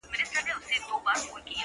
زلفـي را تاوي کړي پــر خپلـو اوږو ـ